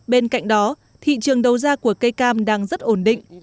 bên cạnh đó thị trường đầu ra của cây cam đang rất ổn định